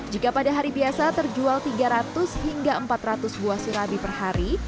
jika pada hari biasa terjual tiga ratus hingga empat ratus buah surabi per hari